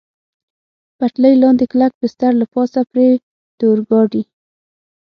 پټلۍ لاندې کلک بستر، له پاسه پرې د اورګاډي.